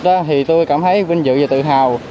thì tôi cảm thấy vinh dự và tự hào